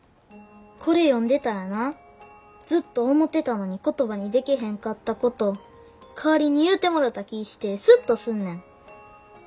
これ読んでたらなずっと思てたのに言葉にでけへんかったこと代わりに言うてもろた気ぃしてスッとすんねん。